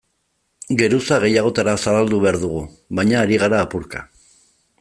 Geruza gehiagotara zabaldu behar dugu, baina ari gara apurka.